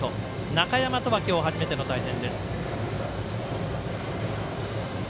中山とは今日、初めての対戦。